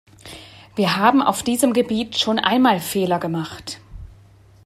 Wir haben auf diesem Gebiet schon einmal Fehler gemacht.